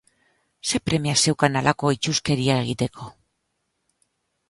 Zer premia zeukan halako itsuskeria egiteko?